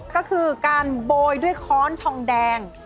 ก็คือการโบยด้วยค้อนทองแดง